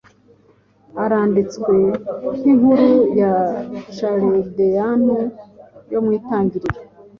aranditswe nk inkuru ya Chaldaean yo mu Itangiriro